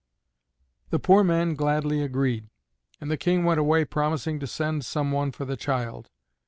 The poor man gladly agreed, and the King went away promising to send some one for the child.